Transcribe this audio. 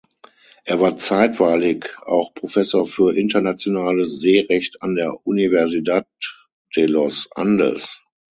Er war zeitweilig auch Professor für Internationales Seerecht an der Universidad de los Andes.